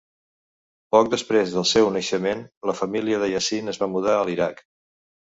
Poc després del seu naixement, la família de Yasin es va mudar a l'Iraq.